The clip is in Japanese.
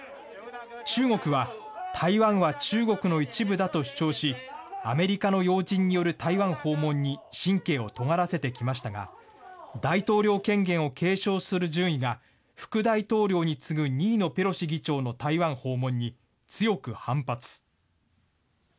中国は台湾は中国の一部だと主張し、アメリカの要人による台湾訪問に神経をとがらせてきましたが、大統領権限を継承する順位が副大統領に次ぐ、２位のペロシ議長の台湾訪問に強く反発。